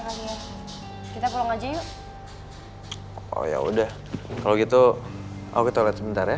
kali ya kita belum aja yuk oh ya udah kalau gitu aku ke toilet sebentar ya